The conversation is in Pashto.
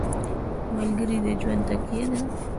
ملګری د ژوند تکیه ده.